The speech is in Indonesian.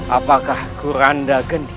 apakah kuranda geni